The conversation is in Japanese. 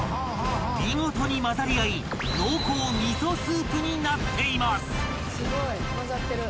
［見事に混ざり合い濃厚味噌スープになっています］